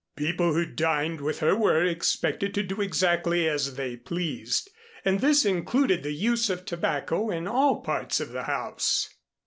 People who dined with her were expected to do exactly as they pleased, and this included the use of tobacco in all parts of the house.